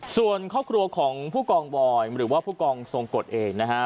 ส่วนครอบครัวของผู้กองบอยหรือว่าผู้กองทรงกฎเองนะฮะ